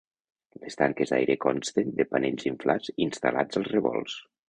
Les tanques d'aire consten de panells inflats instal·lats als revolts.